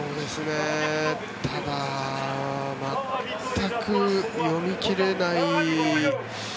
ただ全く読み切れない。